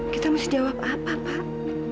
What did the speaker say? kita mesti jawab apa pak